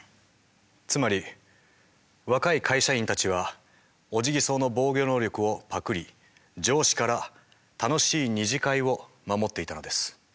つまり若い会社員たちはオジギソウの防御能力をパクリ上司から楽しい二次会を守っていたのです。